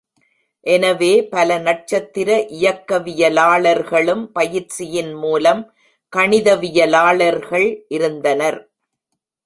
எனவே பல நட்சத்திர இயக்கவியலாளர்களும் பயிற்சியின் மூலம் கணிதவியலாளர்கள் இருந்தனர்.